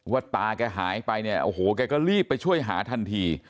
ตาแกหายไปเนี่ยโอ้โหแกก็รีบไปช่วยหาทันที